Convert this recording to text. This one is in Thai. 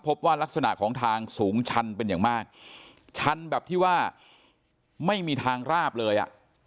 ลักษณะของทางสูงชันเป็นอย่างมากชันแบบที่ว่าไม่มีทางราบเลยอ่ะ